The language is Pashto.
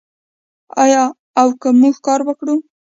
آیا او که موږ کار وکړو؟